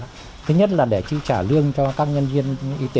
thứ nhất là để chi trả lương cho các nhân viên y tế